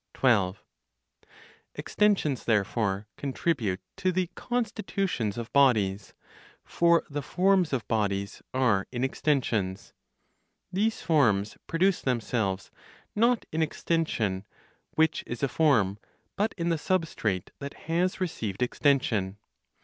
12. Extensions therefore contribute to the constitutions of bodies; for the forms of bodies are in extensions. These forms produce themselves not in extension (which is a form), but in the substrate that has received extension.